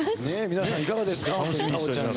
皆さんいかがですか？